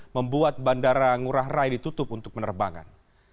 membuat bandara ngurah rai ditutup untuk penerbangan